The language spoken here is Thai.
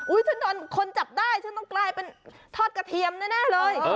ถ้าโดนคนจับได้ฉันต้องกลายเป็นทอดกระเทียมแน่เลย